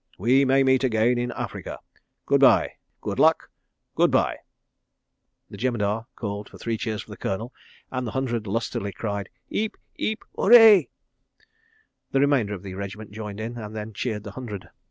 We may meet again in Africa. Good bye. Good luck. ... Good bye. ..." The Jemadar called for three cheers for the Colonel, and the Hundred lustily cried: "'Eep, 'Eep, 'Oorayee." The remainder of the regiment joined in, and then cheered the Hundred.